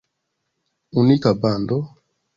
Unika bando?